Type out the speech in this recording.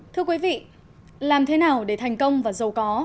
thưa quý vị làm thế nào để thành công và giàu có